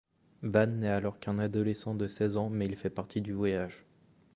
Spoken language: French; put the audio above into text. Van n’est alors qu’un adolescent de seize ans, mais il fait partie du voyage.